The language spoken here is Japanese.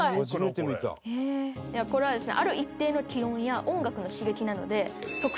これはですね。